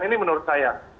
ini menurut saya